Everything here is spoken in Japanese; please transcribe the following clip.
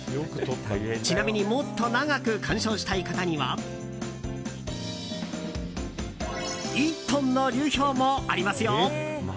ちなみにもっと長く鑑賞したい方には１トンの流氷もありますよ。